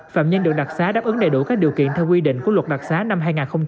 phạm nhân được đặc xá đáp ứng đầy đủ các điều kiện theo quy định của luật đặc xá năm hai nghìn một mươi